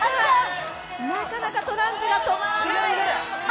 なかなかトランプが止まらない。